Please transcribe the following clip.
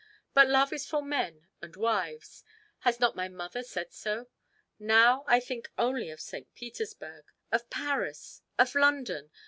But love is for men and wives has not my mother said so? Now I think only of St. Petersburg! of Paris! of London!